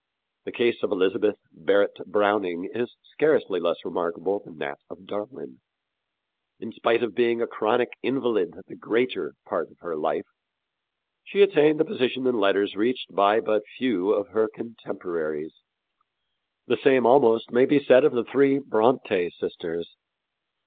The case of Elizabeth Barrett Browning is scarcely less remarkable than that of Darwin. In spite of being a chronic invalid the greater part of her life, she attained a position in letters reached by but few of her contemporaries. The same almost may be said of the three Brontë sisters.